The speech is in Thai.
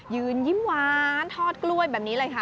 ยืนยิ้มหวานทอดกล้วยแบบนี้เลยค่ะ